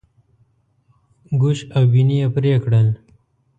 ګوش او بیني یې پرې کړل.